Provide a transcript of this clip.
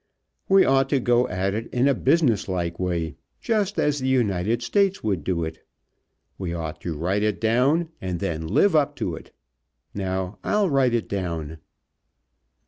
We ought to go at it in a business like way, just as the United States would do it. We ought to write it down, and then live up to it. Now, I'll write it down."